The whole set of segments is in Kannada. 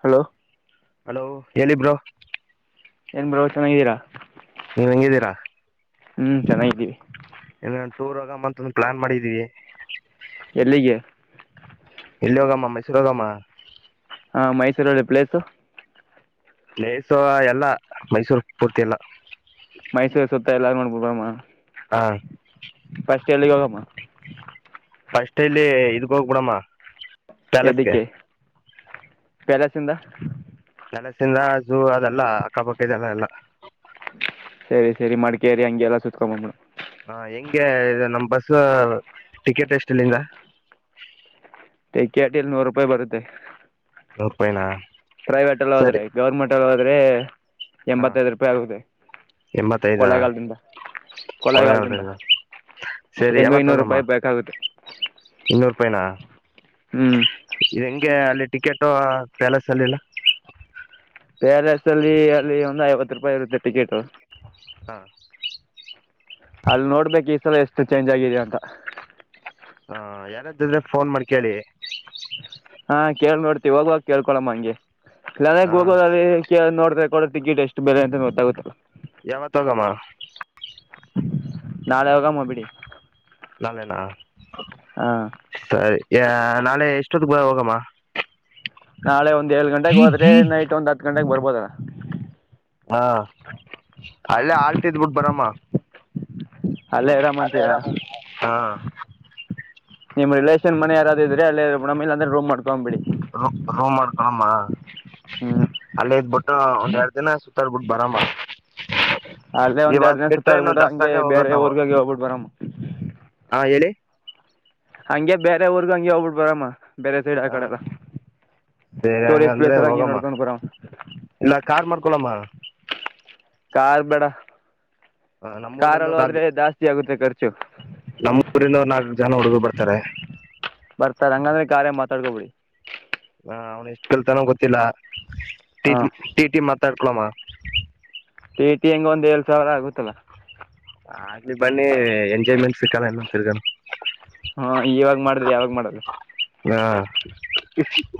ಹಲೋ ಹಲೋ ಲ್ಲಿಬ್ರು ಏನ್ ಬ್ರೋ ಚೆನ್ನಾಗಿದ್ದೀರಾ ನೀವ್ ಹೆಂಗಿದ್ದೀರಾ ಹ್ಮ್ ಚೆನ್ನಾಗಿದ್ದೀವಿ ಇನ್ನ ಟೂರ್ ಹೋಗುವ ಅಂತ ಒಂದು ಪ್ಲಾನ್ ಮಾಡಿದೀವಿ ಎಲ್ಲಿಗೆ ಎಲ್ಲಿ ಹೋಗಮ್ಮ ಮೈಸೂರು ಹೋಗಮ್ಮ ಹಾ ಮೈಸೂರಳ್ಳಲ್ಲಿ ಪ್ಲೇಸು ಪ್ಲೇಸ ಎಲ್ಲ ಮೈಸೂರ್ ಪೂರ್ತಿ ಎಲ್ಲ ಮೈಸೂರು ಸುತ್ತ ಎಲ್ಲಾರುೊಂಡ ಹೋಗಮ ಹಾ ಫಸ್ಟ್ ಎಲ್ಲಿಗೆ ಹೋಗಮ್ಮ ಫಸ್ಟಲ್ಲಿ ಇದ್ಕೆ ಹೋಗ್ಬಿಡಮ್ಮ ಪ್ಯಾಲೇಸ್ಗೆ ಎದಕ್ಕೆ ಪ್ಯಾಲೆಸಿಂದ. ಪ್ಯಾಲೆಸಿಂದ ಅದು ಅದೆಲ್ಲ ಅಕ್ಕಪಕ್ಕದೆಲ್ಲ ಎಲ್ಲ. ಸರಿ ಸರಿ ಮಡ್ಕೇರಿ ಹಂಗಗೆ ಎಲ್ಲ ಸತ್ಕೊಂಬಂದ್ಬಡ. ಹಾ ಹೆಂಗೆ ಇ ನಮ ಬಸ್ ಟಿಕೆಟ್ ಎಷ್ಟಲ್ಲಿಂದ. ಟಿಕೆಟಿಲ್ಲಿ ನೂರು ರೂಪಾಯಿ ಬರುತ್ತೆ. ನೂರುಪಾಯನಾ. ಪ್ರೈವೇಟಲ್ಲಿ ಹೋದ್ರೆ ಗೌರ್ಮೆಂಟ್ಲ್ಲ ಹೋದ್ರೆ. ಹ ಎಂಬತ್ತೈದು ರೂಪಾಯಿ ಆಗುದ ಕೊಳೆಗಾಲದಿಂದ. ಕೊಳ್ಳೇಗಾಲದಿಂದ. ಹೆಂಗೋ ಇನ್ನೂರು ರೂಪಾಯಿ ಬೇಕಾಗುತ್ತೆ. ಇನ್ನೂರು ರೂಪಾಯಿ ನಾ. ಹ್ಮ್. ಅಲ್ಲಿ ಟಿಕೆಟ್ ಪ್ಯಾಲಸ್ ಅಲ್ಲಿಲ್ಲ. ಪೇರ್ಲಸ್ ಅಲ್ಲಿ ಅಲ್ಲಿ ಒಂದು್ ಐವತ್ತು ರೂಪಾಯಿ ಇರುತ್ತೆ ಟಿಕೆಟ್. ಹಾ. ಲ ಎಷ್ಟು ಚೇಂಜ್ ಆಗಿದೆ ಅಂತ. ಹ ಯಾರ್ದಿದ್ರೆ ಫೋನ್ ಮಾಡಿ ಕೇಳಿ. ಹಾ ಕೇಳಳ್ನೋಡ್ತಿವಿ ಹೋಗುವಾಗ ಕೇಳ್ಕೊಳಮ್ಮ ಹಂಗೆ. ಇಲ್ಲಾಂದ್ರೆ ಹ ಗೂಗಲ ಅಲ್ಲಿ ನೋಡ್ರೆ ಕೊಡ ಟಿಕೆಟ್ ಎಷ್ಟು ಬೆಲೆ ಅಂತ ಗೊತ್ತಾಗುತ್ತಲ್ಲ. ಯಾವತ್ ಹೋಗಮ್ಮ. ನಾಳೆ ಹೋಗಮ ಬಿಡಿ. ನಾಳೆನಾ ಹಾಂ ಸರಿ ನಾಳೆ ಎಷ್ಟೊತ್ತಕ್ ಬ ಹೋಗಮ್ಮ. ನಾಳೆ ಒಂದ್ ಏಳ ಗಂಟೆಗೆ ಹೋದ್ರೆ ನೈಟ್ ಒಂದ್ ಹತ್ತು ಗಂಟೆಗೆ ಬರ್ಬೋದಲ್ಲ. ಹ ಅಲ್ಲೇ ಆಲ್ಟ್ ಇದ್ಬಿಟ್ಟು ಬರಮ್ಮ ಅಲ್ಲೇ ಅರಾಮ್ ಅಂತೀರಾ ಹ ನಿಮ್ಮ ರಿಲೇಷನ್ ಮನೆ ಯಾರಾದ ಇದ್ರ ಎ ನ ಇ ಅ್ರೆ ರೋ್ಬೇಕ ರ ರೋ ಮಾಡ ಹಕಣಮ್ಮ ಹ್ಞೂ ಅಲ್ಲೇ ಇದಬಿಟ್ಟು ಒಂದ್ ಎರಡ್ ದಿನ ಸುತ್ತಾರ್ಬಿಟ್ಟ ಬರಮ್ಮ ಅಲ್ಲೇ ಒಂದ್ ಎರಡ್ ಇವತ್ ದಿನ ಸುತ್ತ ಬಿಟ್ರೆ ಇನ್ನು ಆಡ್ಬಿಡ ಹಂಗೆ ದಸರಾಗೆ ಹೋಗೋದ್ ಬೇರೆ ನಾವು ಊರ್ಗಾಗಿ ಹೋಗ್ಬಿಟ್ಟ ಬರಾಮ ಹಾ ಹೇಳಿ ಹಂಗೆ ಬೇರೆ ಊರ್ಗ ಹಂಗೆ ಹೋಗ್ಬಿಟ್ ಬರಮ್ಮ ಬೇರೆ ಸೈಡ್ ಆ ಹ ಕಡೆಲ್ಲ ಸರಿ ಹಂಗ ಅಂದ್ರೆ ಹೋಗಮ್ಮ ಬರಮ್ಮ ಇಲ್ಲ ಕಾರ್ ಮಾಡ್ಕೊಳಮ್ಮ ಕಾರ್ ಬೇಡ ನಮ್ಮೂರಿಂದ ಕಾರ್ಲ್ಲಿ ಹೋದ್ರೆ ಜಾಸ್ತಿ ಆಗುತ್ತೆ ಖರ್ಚು. ನಮ್ಮೂಊರಿಂದ ನಾಲ್ಕಕ್ಜನ ಹುಡುಗ ಬರ್ತಾರೆ. ಬರ್ತಾರೆ ಹಂಗಂದೆ ಕಾರ್ಯ ಮಾತಾಡ್ಕೊಬಿಡಿ. ಹ ಅವ್ನ್ ಎಷ್ಟು ಕೇಲ್ತನೋ ಗೊತ್ತಿಲ್ಲ ಹಾ ಟಿ ಟಿ ಮಾತಾಡ್ಕೊಳಮ್ಮ. ಎಟಿ ಎಂಗೆ ಒಂದ್ಏಳಳ್ ಸಾವಿರ ಆಗುತ್ತಲ್ಲ ಆಗ್ಲಿ ಬನ್ನಿ ಎಂಜಾಯ್ಮೆಂಟ್ ನೆಮ್ಸೆಕ್ಯುಳ ಇನ್ನು ತಿರ್ಗಾನ ಹಾ ಯವಾಗ ಮಾಡುದ್ರಿ ಯಾವಾಗ ಮಾಡ್ರ ಹಾ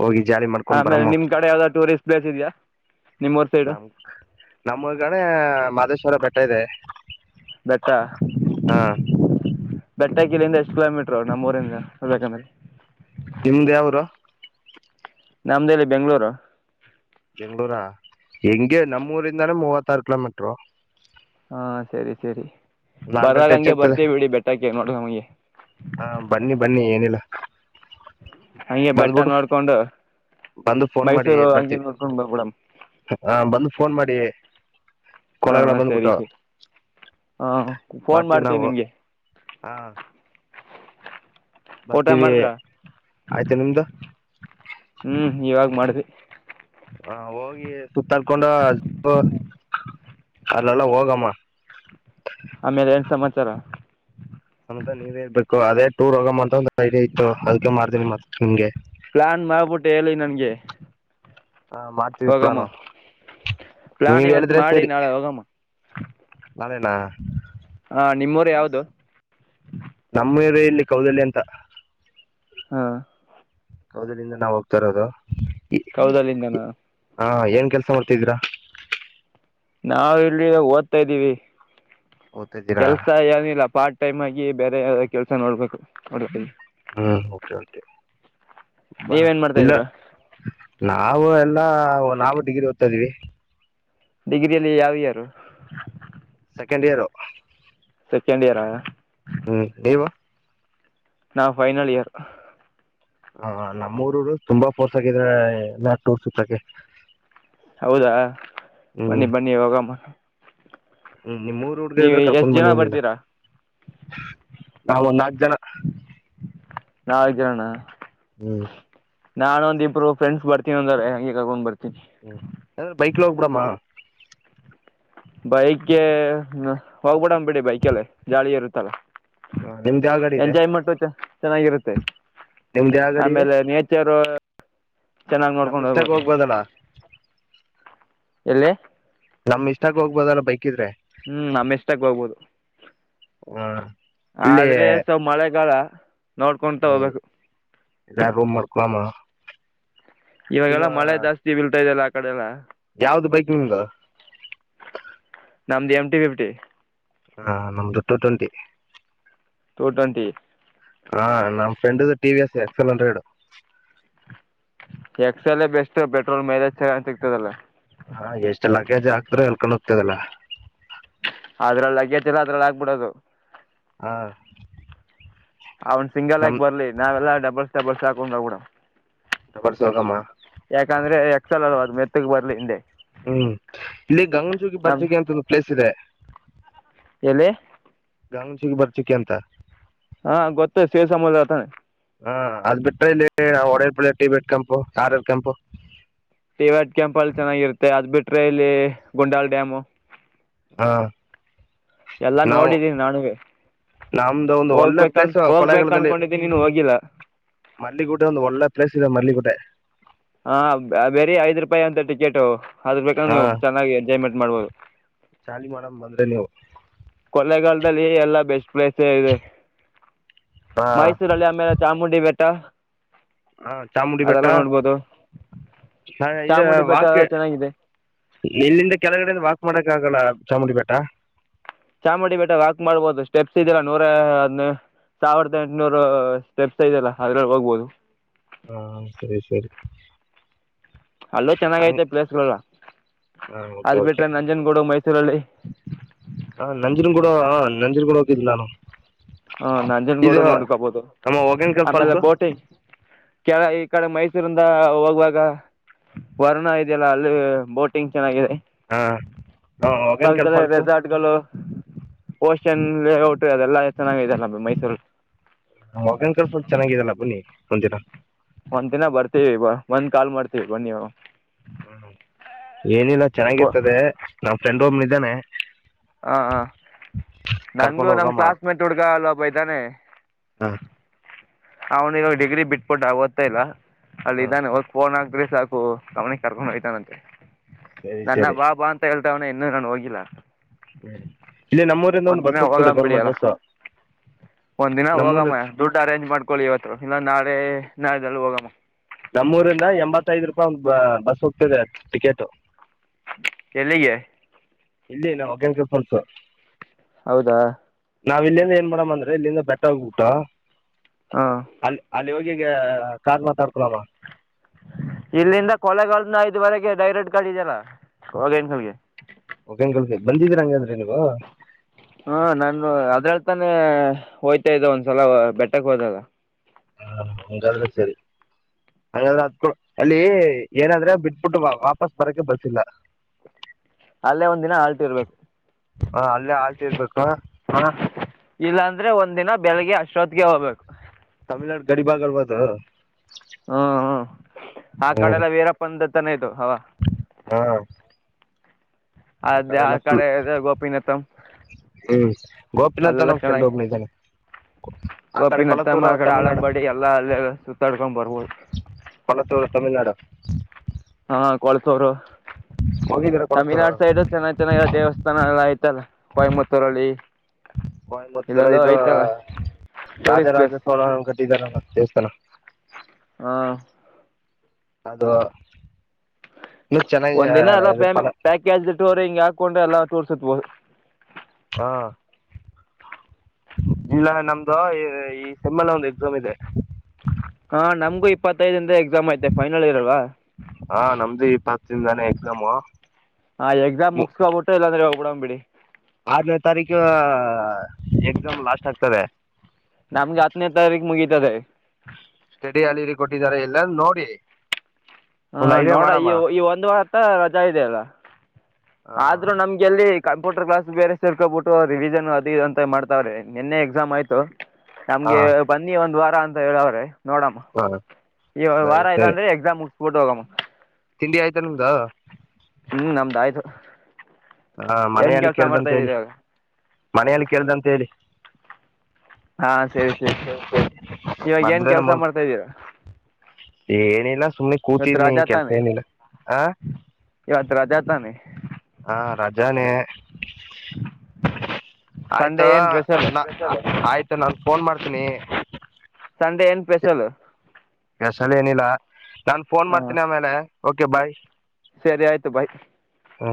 ಹೋಗಿ ಜಾಲಿ ಮಾಡ್ಕೊಂಡ್ ಆಮೇಲೆ ಬರಮ್ಮ ನಿಮ್ ಕಡೆ ಯಾವ್ದ್ ಟೂರಿಸ್ಟ್ ಪ್ಲೇಸ್ ಇದೆಯಾ ನಿಮ್ಮೂರ್ ಸೈಡು ನಮ ನಮ್ಮಗಣ ಮಹದೇಶ್ವರ ಬೆಟ್ಟ ಇದೆ ಬೆಟ್ಟ ಹಾ ಬೆಟ್ಟ ಕಿಲೆಯಿಂದ ಎಷ್ಟು ಕಿಲೋಮೀಟರ್ ಅವರು ನಮ್ಮೂರಿಂದ ಬೇಕಂದ್ರೆ ನಿಮ್ದ ಯಾವರು ನಮ್ದಲ್ಲಿ ಬೆಂಗಳೂರು ಬೆಂಗ್ಗಳೂರ ಹೆಂಗೆ ನಮ್ಮೂರಿಂದಾನ ಮೂವತ್ತಾರು ಕಿಲೋಮೀಟರು ಹಾ ಸರಿ ಸರಿ ಒಂದು ಹಂಡ್ರೆಡ್ ಟಚ್ ಬರಾಗಂಗೆ ಆಗ್ತದೆ ಬರ್ತೇ ಬಿಡಿ ಬೆಟ್ಟಕ್ಕೆ ನೋಡ್ರ ನಮಗೆ ಹ ಬನ್ನಿ [unintelligible] ಹಂಗೆ ಬೆಟ್ಟ ಬಂದ್ಬಿಟ್ಟು ನೋಡ್ಕೊಂಡು ಬಂದು ಫೋನ್ ಮಾಡಿ ಮೈಸೂರು ಬರ್ತೀವಿ ಅಂಗಿನಕೊಂಡ್ ಬಬಡ ಹ ಬಂದು ಫೋನ್ ಮಾಡಿ ಹಾ ಕೊಲಗಳ ಸರಿ ಬಂದ್ಬಿಟ್ಟು ಸರಿ ಹಾ ಫೋನ್ ಬರ್ತೀವಿ ಮಾಡ್ತೇನ ನಾವು ನಿಮ್ಗೆ ಹ ಬರ್ತೀವಿ ಆಯ್ತು ನಿಮ್ದು ಹ್ಮ್ ಇವಾಗ ಮಾಡ್ ಹ ಹೋಗಿ ಸುತ್ತಾಡ್ಕೊಂಡು ಅಲ್ಲಲ್ಲ ಹೋಗಾಮ ಆಮೇಲೆ ಏನು ಸಮಾಚಾರ ಸಮಂತ ನೀವೇಳ್ಬೇಕು ಅದೇ ಟೂರ್ ಹೋಗಂತ ಇತ್ತು ಅದಕ ಮಾಡ್ದ ಮತ್ತೆ ನಿಮ್ಗೆ ಪ್ಲಾನ್ ಮಾಡ್ಬಿಟ್ಟು ಹೇಳಿ ನನ್ಗೆ ಹಾ ಮಾಡ್ತೀವಿ ಪಲಾನು ಪ್ಲಾನ್ ನೀವ್ ಇವತ್ ಹೇಳಿದ್ರೆ ಮಾಡಿ ಸರಿ ನಾಳೆ ಹೋಗಮ್ಮ ನಾಳೆಣ್ಣ ಹಾ ನಿಮ್ಮೂರು ಯಾವ್ದು ನಮ್ಮವ ಎಲ್ಲಿ ಕೌದಳ್ಳಿ ಅಂತ ಹಾ ಹೌದ್ರಿಂದ ನಾವ್ ಹೋಗ್ತಾ ಇರೋದು ಈ- ಕೌದಳ್ಳಿ ಕಣೋ ಹಾ ಏನ್ ಕೆಲ್ಸ ಮಾಡ್ತಿದೀರಾ ನಾವ ಇಲ್ಲಿ ಓದ್ತಾ ಇದ್ದೀವಿ ಓದ್ತಾ ಇದ್ದೀರಾ ಕೆಲ್ಸ ಏನಿಲ್ಲ ಪಾರ್ಟಿ ಟೈಮ್ ಆಗಿ ಬೇರೆ ಯ ಕೆಲಸ ನೋಡ್ಬೇಕು ನೋಡ ಹ್ಮ್ ಕೆ ಕೆ ಬಾ ನೀವೇನ್ ಮಾಡ್ತಾ ಇಲ್ಲ ಇದ್ದೀರಾ ನ ನಾವು ಎಲ್ಲಾ ಒ ನಾವು ಡಿಗ್ರಿ ಓದ್ತ ಇದ್ವಿ ಡಿಗ್ರಿಯಲ್ಲಿ ಯಾವ year second year second year ಹ್ಮ್ ನೀವು ನಾ ಫೈನಲ್ ಇಯರ್ ಹ ನಮ್ಮೂಊರು ತುಂಬಾ ಪಫೋರ್ಸ್ ಆಗಿದ್ರ ನ ಟೂರ್ ಸತ್ರಕ್ಕೆ ಹೌದಾ ಬನ್ನಿ ಬನ್ನಿ ಹೋಗಮ್ಮ ಹ್ಮ್ ನಿಮ್ಮರ್ ಹುಡ್ಗಿ ನೀವು ಇದ್ರೆ ಎಷ್ಟು ಕರ್ಕೊಂಡ್ ಜನ ಬನಿನಿಲ್ಲ ಬರ್ತೀರಾ ನಾವ ಒಂದ ನಾಲ್ಕು ಜನ ನಾವಗಿರೋಣ್ಣ ಹ್ಮ್ ನಾನೊಂದ ಇಬ್ರು ಫ್ರೆಂಡಸ್ ಬರ್ತೀನಿಂದ ಹಗೆ ಕಕೊಂಡ್ ಬರ್ತಿನಿ ಹ್ಮ ಯ್ರೆ ಬೈಕ್ ಲೋಗಬೂಡಾಮ ಬೈಕ್ ಹೋಗ್ಬಿಡ ಬಿಡಿ ಬೈಕಲ್ಲ ಜಾಲಿ ಇರುತ್ತಲ್ಲ ನಿಮ್ದ್ ಯಾವ ಗಾಡಿ ಇದೆ ಎಂಜಾಯ್ಮೆಂಟು ಚ ಚೆನ್ನಾಗಿರುತ್ತೆ ನಿಮ್ದ್ ಯಾವ ಗಾಡಿ ಆಮೇಲೆ ನೇಚರ್ ನಮ ಇಷ್ಟಕ್ಕೆ ಹೋಗ್ಬೋದಣ ಎಲ್ಲಿ ನಮ್ ಇಷ್ಟಕ್ಕ ಹೋಗ್ಬೋದಲ್ಲ ಬೈಕ್ ಇದ್ರೆ ಹ್ಮ್ ನಮ್ಮ ಇಷ್ಟಕ್ ಹೋಗ್ಬೋದು ಹ್ಮ ಆದ್ರೆ ಸವ ಮಳೆಗಾಲ ನೋಡ್ಕೊಂತ ಹ ಹೋಗ್ಬೇಕು [unintelligible] ಮಾಡಡ್ಕಾಮ ಇವಾಗೆಲ್ಲಾ ಮಳೆ ಜಾಸ್ತಿ ಬೀತಾದೆಲ್ಲ ಆ ಕಡೆ ಎಲ್ಲಾ ಯಾವ್ದು ಬೈಕ್ ನಿಂದು ನಮ್ದು ಎಮ್ ಟಿ ಫಿಫ್ಟಿ ಹಾ ನಮ್ದ ಟೂ ಟ್ವೆಂಟಿ ಟು ಟ್ವೆಂಟಿ ಹಾ ನಮ್ ಫ್ರೆಂಡ್ದು T V S X L hundred. X L best petrol mileage ಚೆನ್ನಾಗಿ ಸಿಗ್ತದಲ್ಲ. ಹ ಎಷ್ಟು ಲಗೇಜ್ ಹಾಕ್ದ್ರೆ ಅಲ್ಕೊಂಡು ಹೋಗ್ತದಲ್ಲ. ಅದ್ರಲ್ಲಿ ಲಗೇಜ್ ಎಲ್ಲ ಅದ್ರಲ್ಲಿ ಆಗ್ಬಿಡೋದು. ಹ್ಹಾ. ಅವನ್ ಸಿಂಗಲ್ ಆಗಿ ಬರ್ಲಿ ನಾವೆಲ್ಲಾ ಡಬಲ್ಸ್ ಡಬಲ್ಸ್ ಹಾಕೊಂಡೋಗಿಬಿಡಮ. ಡಬಲ್ಸ್ ಹೋಗಮ್. ಯಾಕಂದ್ರೆ ಎಕ್ಸಲ್ ಅಲ್ವಾ ಅದು ಮೆತ್ತಗ್ ಬರ್ಲಿ ಹಿಂದೆ. ಹ್ಮ್ ಇಲ್ಲಿ ಗಂಗನಜಗಿ ನಮ್ಮ ಬರ್ಜಗಿ ಅಂತ ಒಂದು ಪ್ಲೇಸ್ ಇದೆ. ಎಲ್ಲಿ. ಗನಚುಕ್ಕಿ ಬಚ್ಚಿಕಿ ಅಂತ. ಹಾ ಗೊತ್ತು ಸೇರ್ ಸಮುದ್ರ ತಾನೆ ಹಾ ಅದ್ ಬಿಟ್ರೆ ಇಲ್ಲಿ ಒಡರ್ ಪಳ ಟಿ ಬಿ ಇಟ್ಕಂಪು ಕಾರ್ ಇರಾಕಂಪು. ಟ ವಾಡ್ ಕೆಂಪಲ್ ಚೆನ್ನಾಗಿರುತ್ತೆ ಅದ್ ಬಿಟ್ರೆ ಇಲ್ಲಿ ಗುಂಡಾಲ್ ಡ್ಯಾಮು. ಹಾ ಎಲ್ಲಾ ನಾವು ನೋಡಿದೀನಿ ನಾನುವೆ. ನಮ್ದು ಒಂದು ಒಳ್ಳೆ ಹೋಗ್ಬೇಕ ಪ್ಲೇಸ್ ಹೋಗ್ಬೇಕು ಅನ್ಕೊಂಡಿದ್ದೀನಿ ಇನ್ನೂ ಹೋಗಿಲ್ಲ. ಮಲ್ಲಿಗೂಟೆ ಒಂದ ಒಳ್ಳೆ ಪ್ಲೇಸ್ ಇದೆ ಮಲ್ಲಿಗೂಟೆ. ಹ ಬೇ ಬೇರೆ ಐದ್ ರೂಪಾಯಿ ಅಂತ ಟಿಕೆಟು ಅದ್ರ ಬೇಕ ಹಾ ನೀನ್ ಚೆನ್ನಾಗಿ ಎಂಜಾಯ್ ಮಾಡ್ ಮಾಡ್ಬೋದು. ಚಾಲಿ ಮಾಡಮ ಬಂದ್ರೆ ನೀವು. ಕೊಲೆೆಗಾಲದಲ್ಲಿ ಲ್ಲಾ ಬೆಸ್ಟ್ ಪ್ಲೇಸ್. ಸೇರಿದೆ ಹಾ ಮೈಸೂರಲ್ಲಿ ಆಮೇಲೆ ಚಾಮುಂಡಿ ಬೆಟ್ಟ. ಹಾ ಚಾಮುಂಡಿ ಬೆಟ್ಟ. ಅದೆಲ್ಲ ನೋಡ್ಬೋದು ಹ ಇ ಚಾಮುಂಡಿ ಬೆಟ್ಟ ವಾಕ್ ಚೆನ್ನಾಗಿದೆ ಇಲ್ಲಿಂದ ಕೆಳಗಡೆಯಿಂದ ವಾಕ್ ಮಾಡಕ ಆಗಲ್ಲ ಚಾಮುಂಡಿ ಬೆಟ್ಟ. ಚಾಮುಂಡಿ ಬೆಟ್ಟ ವಾಕ್ ಮಾಡ್ಬೋದು ಸ್ಟೆಪ್ಸ್ ಇದಲ್ಲಾ ನೂರ ಅದ್ನ ಸಾವಿರದ ಎಂಟನೂರು ಸ್ಟೆಪ್ಸ್ ಐದೆಲ್ಲ ಅದ್ರಲ್ಲಿ ಹೋಗ್ಬೋದು. ಹಾಂ ಸರಿ ಸರಿ ಅಲ್ಲೂ ಚೆನ್ನಾಗ ಹಂಗ್ ಐತೆ ಪ್ಲೇಸ್ ಗಳಲ್ಲ ಹಾಂ ಓಕೆ ಅದ್ ಓಕೆ ಬಿಟ್ರೆ ನಂಜನ್ಗೂಡು ಮೈಸೂ ರಲ್ಲಿ. ಹ ನಂಜನಗೂಡ ಆಂ ನಂಜಿನಗೂಡ ಹೋಗಕಿದಿದ್ದ ನಾನು. ಹ ನಂಜನಗೂಡು ಇದು ನೋಡ್ಕಬೋದು ನಮ್ಮ ಹೊಗೇನಕಲ್ ಆಮೇಲೆ ಫಾಲ್ಸು ಬೋಟಿಂಗ್. ಕೆ ಈ ಕಡೆ ಮೈ ಮೈಸೂರಿಂದ ಹೋಗುವಾಗ ವರ್ಣ ಇದೆಯಲ್ಲ ಅಲ್ಲಿ ಬೋಟಿಂಗ್ ಚೆನ್ನಾಗಿದೆ. ಹಾಂ ಹಾಂ ಹೊಗೇನಕಲ್ ಪಕ್ಕದಲ್ಲೇ ಫಾಲ್ಸು ರೆಜರ್ಟ್ ಗಳು ಓಸ್ಟ್ ಚಂದ್ರ ಲೇಔಟ್ ಅದೆಲ್ಲ ಚೆನ್ನಾಗದೆ ಮೈಸೂರ್ ಅಲ್ಲಿ. ಬಂದಿಲ್ಲ. ಒಂದ್ ದಿನ ಬರ್ತೀವಿ ಒಂದ್ ಕಾಲ್ ಮಾಡ್ತೀವಿ ಬನ್ನಿ ನೀವು. ಹ್ಮ್ ಏನಿಲ್ಲ ಚೆನ್ನಾಗಿರ್ತದೆ ನಮ್ ಫ್ರೆಂಡ್ ಒಬ್ಬ ಇದ್ದಾನೆ. ಹ ಹ ನನ್ಗೂ ಕರ್ಕೊಂಡು ನಮ ಹೋಗಮ್ಮ ಕ್ಲಾಸ್ಮೇಟ್ ಹುಡ್ಗ ಅಲ್ ಒಬ್ಬ ಇದ್ದಾನೆ. ಹಾ ಅವ್ನಿಗ ಡಿಗ್ರಿ ಬಿಟ್ಬಿಟ್ಟ ಓದ್ತಿಲ್ಲ ಅಲ್ಲಿ ಹಾಂ ಇದಾನೆ ಹೋಗ ಫೋನ್ ಹಾಕ್ಬಿಟ್ರೆ ಸಾಕು ಅವ್ನೇ ಕರ್ಕೊಂಡು ಹೋಗ್ತಾನಂತೆ ಸರಿ ನನ್ನ ಸರಿ ಬಾ ಬಾ ಅಂತ ಹೇಳ್ ಹೇಳ್ತವನೇ ಇನ್ನು ನಾನು ಹೋಗಿಲ್ಲ. ಹ್ಮ್ ಇಲ್ಲಿ ನಮ್ಮೂರಿಂದ ಒಂದು ಒಂದ್ ದಿನ ಬಸ್ ಹೋಗಣ ಹೋಗ್ತದೆ ಬಿಡಿ ಗೌರ್ಮೆಂಟ್ ಅಲ್ಲ ಬಸ್ಸು. ಒಂದ್ ದಿನ ನಮ್ಮೂರ ಹೋಗಮ್ಮ ದುಡ್ಡು ಅರೇಂಜ್ ಮಾಡ್ಕೊಳ್ಳಿ ಇವತ್ತು ಇಲ್ಲ ನಾಳೆ ನಾಳೆಲ್ಲಿ ಹೋಗಮ್ಮ. ಒ ಬಸ್ ಹೋಗ್ತಿದೆ ಟಿಕೆಟ್. ಎಲ್ಲಿಗೆ. ಇಲ್ಲ ನಮ್ [unintelligible] ಹೌದಾ ನಾವ್ ಇಲ್ಲಿಂದ ಏನ್ ಮಾಡಡಮ್ ಅಂದ್ರೆ ಇಲ್ಲಿಂದ ಬೆಟ್ಟ ಹೋಗಬಿಟ್ಟ ಹಾ ಅಲ್ಲಿ ಲ್ಲಿ ಯೋಗಗ ಕಾರ್ ಮಾತಾಡ್ಕಳಲ್ಲ ಇಲ್ಲಿಂದ ಕೊಲೆಗಾಲನ ಐದುವರೆಗೆ ಡೈರೆಕ್ಟ್ ಕಳಿದೆಲ್ಲನ್ಕಲ್ಗೆ ಬಂದಿದ್ರ ಹಂಗ್ರ ಹಾ ನಾನು ಅದ್ರಳ್ತಾನೆ ಹೋಯ್ತಾ ಇದ್ದ ಒಂದ್ಸಲ ಬೆಟ್ಟಕ್ ಹೋದಲ್ಲ ಹಾ ಹಂಗಲ್ಲ ಸರಿ ಹಂಗಾದ್ರ ಅತ್ಕ ಅಲ್ಲಿ ಏನಾದ್ರೆ ಬಿಟ್ಬಿಟ್ಟು ವಾಪಸ್ ಬರಕ್ಕೆ ಬರ್ಸಿಲ್ಲ [inaudible] ಅಲ್ಲೇ ಒಂದ ದಿನ ಆಲ್ಟ ಇರ್ಬೇಕು ಇರ್ಬೇಕಾ ಹಣ ಇಲ್ಲಾಂದ್ರೆ ಒಂದ ದಿನ ಬೆಳಿಗ್ಗೆ ಅಷ್ಟ್ರೋತ್ಗೆ ಹೋಗ್ಬೇಕು ತಮಿಳ್ನಾಡು ಗಡಿ ಭಾಗಬಹದು ಹ್ಮ ಹ್ಮ್ ಆ ಕಡೆಲ್ಲ ವೀರಪ್ಪಂದ ತಾನೆ ಇ ಹಾ ಅದೇ ಆ ಕಡೆ ಗೋಪಿನಥಂ ಹ್ಮ್ ಗೋಪಿ ನಾಥ ನ ಫ್ರೆಂಡ್ ಒಬ್ನ ಇದ್ದಾನೆ ಆ ಕಡೆ ಗೋಪಿನತ್ತಮ್ಮ ಕೊಳತ್ತೂರು ಕಡೆ ತಮಿಳ್ನಾಡು ಆಳಂಬಡಿ ಎಲ್ಲಲ್ಲ ಸುತ್ತಾಡ್ಕೊಂಡ್ ಬರ್ಬೋದು ಕೊಣತ್ತೂರು ತಮಿಳ್ನಾಡು ಹಾ ಕೊಳ್ಸೋರು ಹ ತಮಿಳ್ನಾಡು ಸೈಡ್ ಚೆನ್ನ ಚೆನ್ನಾಗಿ ದೇವಸ್ಥಾನ ಎಲ್ಲ ಆಯ್ತಲ್ಲ ಕೊಯಮತ್ತೂರಲ್ಲಿ ಕೊಯಂಬರ ಇಲ್ಲೆಲ್ಲೋ ಇದು ಐತಲ್ಲ ಟೂರಿಸ್ಟ್ ಪ್ಲೇಸ್ ರಾಜರಾಜಸ್ವರ [unintelligible] ಮತ್ತ ದೇವಸ್ಥಾನ ಹಾ ಅದು ಇನ್ನೂ ಚೆನ್ನಾಗಿ ಒಂದ ದಿನ ಎಲ್ಲ ಇದು ಪ ಫಲ ಪ್ಯಾಕೇಜ್ಟ್ಟೋರ್ ಹಿಂಗ್ ಹಾಕೊಂಡ್ರೆ ಎಲ್ಲಾ ತೋರ್ಸತ್ ಬ ಹಾ ಇಲ್ಲ ನಮ್ದು ಈ ಸೆಮ್ಮಲ್ ಒಂದು ಎಕ್ಸಾಮ್ ಇದೆ ಹಾ ನಮ್ಗೂ ಇಪ್ಪತ್ತೈದಂದ ಎಕ್ಸಾಮ್ ಐತೆ ಫೈನಲ್ ಇರಲ್ವಾ [unintelligible] ಎಕ್ದಾಮ ಹ ಎಕ್ಸಾಮ್ ಮುಗಸ್ಕೊಬಿಟ್ಟು ಇಲ್ಲಾಂದ್ರೆ ಹೋಗಬಿಡ್ ಬಿಡಿ ಆರ್ನೇ ತಾರೀಕು ಎಕ್ಸಾಮ್ ಲಾಸ್ಟ್ ಆಗ್ತದೆ ನಮ್ಗೆ ಹತ್ತನೇ ತಾರೀಕ ಮುಗಿತದೆ ಸ್ಟಡಿ ಅಲ್ಲಿಲ್ಲಿ ಕೊಟ್ಟಿದ್ದಾರೆ ಇಲ್ಲ ನೋಡಿ ಹಾ ಒಂದು ಐಡಿಯಾ ನೋಡ ಈ ಮಾಡಮ್ಮ ಈ ಒಂದ್ ವಾರತ ರಜಾ ಇದೆ ಅಲ್ಲ ಹಾ ಆದ್ರೂ ನಮ್ಗೆಲ್ಲಿ ಕಂಪ್ಯೂಟರ್ ಕ್ಲಾಸ್ ಬೇರೆ ಸೇರ್ಕೊಬಿಟ್ಟು ರಿವಿನ್ ಅದು ಇ ಅಂತ ಮಾಡ್ತವೆ ಎಕ್ಸಾಮ ಆಯ್ತು ಹಾ ನಮ್ಗೆ ಬನ್ನಿ ಒಂದ್ ವಾರ ಅಂತ ಹೇಳವ್ರೆ ನೋಡಮ್ಮ ಹಾ ಈ ಸರಿ ವಾರ ಸರಿ ಇಲ್ಲಾಂದ್ರೆ ಎಕ್ಸಾಮ್ ಮುಗಸ್ಬಿಟ್ಟು ಹೋಗಮ್ಮ ತಿಂಡಿ ಆಯ್ತಾ ನಿಮ್ದ ಹ್ಮ್ ನಮ್ದು ಆಯ್ತು ಹಾ ಮನೆಯಲ್ಲಿ ಕೇಳ್ದಂತ ಹೇಳಿ ಇವಾಗ ಮನೆಯಲ್ಲಿ ಕೇಳ್ದಂತ ಹೇಳಿ ಹಾ ಸರಿ ಸರಿ ಇವಾಗ ಏನ್ ಬಂದ್ರೇನ ಕೆಲ್ಸ ಮುಲ್ಕ ಮಾಡ್ತಾದೀರಾ ಏನಿಲ್ಲ ಸುಮ್ನೆ ಕೂತಿದ್ನಿ ಕೆಲ್ಸ ತಾನೇ ಏನಿಲ್ಲ ಹ ಇವತ್ತು ರಜೆ ಅತಾನೆ ಹಾ ರಜಾನೇ ಸಂಡೇ ಆಯ್ತಾ ಏನು ಸ್ಪೆಷಲು ನ ಆಯ್ತಾ ನಾನ್ ಫೋನ್ ಮಾಡ್ತೀನಿ ಸ್ಪೆಷಲ್ ಎಸಲ ಏನಿಲ್ಲ ನಾನನ್ ಫೋನ್ ಹಾಂ ಮಾಡ್ತೀನಿ ಆಮೇಲೆ ಓಕೆ ಬಾಯ್ ಸರಿ ಆಯ್ತು ಬಾಯ್ ಹ